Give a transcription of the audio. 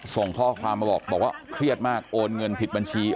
ส่งข้อความมาบอกบอกว่าเครียดมากโอนเงินผิดบัญชี